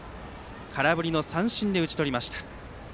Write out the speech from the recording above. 空振り三振に打ち取りました。